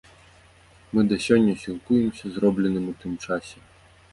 Мы да сёння сілкуемся зробленым у тым часе.